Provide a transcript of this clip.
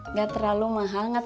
nggak terlalu mahal tapi cukup